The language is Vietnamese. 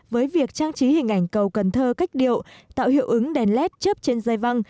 với việc trang trí hình ảnh cầu cần thơ cách điệu tạo hiệu ứng đèn led chớp trên dây văng